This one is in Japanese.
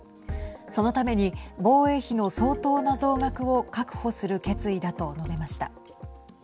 そのために防衛費の相当な増額を確保する決意だと述べました。